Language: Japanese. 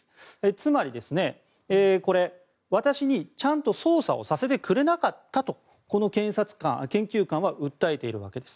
つまり、私にちゃんと捜査をさせてくれなかったとこの研究官は訴えているんです。